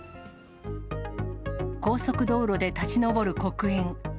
高速道路で立ち上る黒煙。